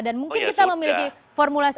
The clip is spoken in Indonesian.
dan mungkin kita memiliki formulasi